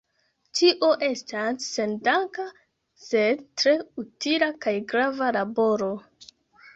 Tio estas sendanka, sed tre utila kaj grava laboro.